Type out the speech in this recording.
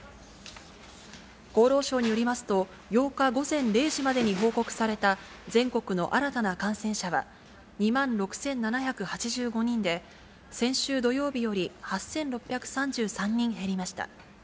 厚労省によりますと、８日午前０時までに報告された全国の新たな感染者は２万６７８５人で、先週土曜日より８６３３人減りました。